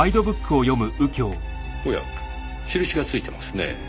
おや印が付いてますねえ。